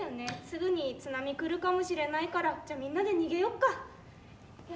すぐに津波くるかもしれないからじゃあみんなで逃げようか。